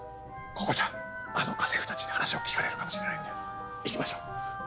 ここじゃあの家政婦たちに話を聞かれるかもしれないので行きましょう。